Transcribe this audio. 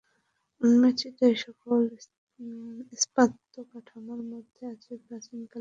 উন্মোচিত এ সকল স্থাপত্য কাঠামোর মধ্যে আছে প্রাচীন কালের কালভার্ট, কিছু নিরাপত্তা চৌকি, প্রবেশদ্বার প্রভৃতি।